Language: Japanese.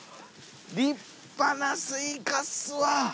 立派なスイカっすわ！